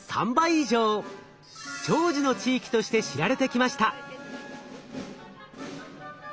長寿の地域として知られてきました。